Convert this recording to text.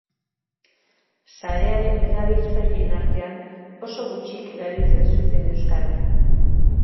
Sarearen erabiltzaileen artean, oso gutxik erabiltzen zuten euskara.